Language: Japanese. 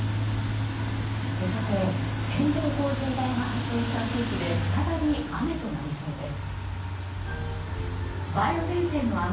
線状降水帯が発生した地域で再び雨となりそうです。